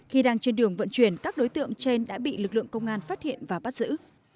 khi đang trên đường vận chuyển các đối tượng trên đã bị lực lượng công an phát hiện và bắt giữ